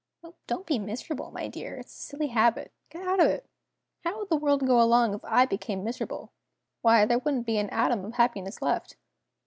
"Oh, don't be miserable, my dear. It's a silly habit! Get out of it. How would the world go along if I became miserable? Why there wouldn't be an atom of happiness left!"